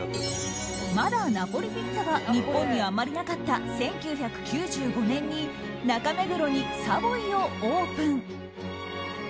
まだナポリピッツァが日本にあまりなかった１９９５年に中目黒にＳＡＶＯＹをオープン。